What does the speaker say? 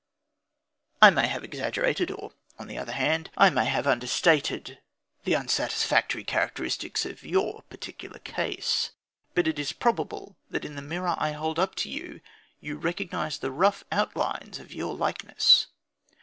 I may have exaggerated or, on the other hand, I may have understated the unsatisfactory characteristics of your particular case, but it is probable that in the mirror I hold up you recognise the rough outlines of your likeness.